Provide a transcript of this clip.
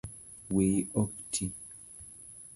Wiyi ok ti